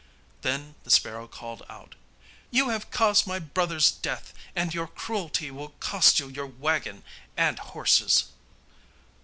Then the sparrow called out: 'You have caused my brother's death, and your cruelty will cost you your waggon and horses.